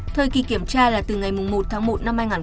thời kỳ kiểm tra là từ ngày một tháng một